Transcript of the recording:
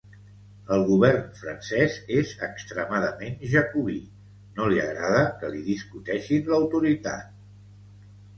El govern francès és extremadament jacobí, no li agrada que li discuteixin l’autoritat.